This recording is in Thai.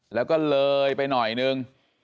แล้วก็เลยไปหน่อยนึง